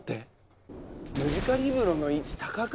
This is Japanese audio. ムジカリブロの位置高くなってない？